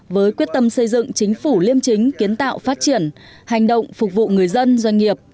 với quyết tâm xây dựng chính phủ liêm chính kiến tạo phát triển hành động phục vụ người dân doanh nghiệp